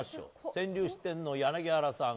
川柳四天王、柳原さん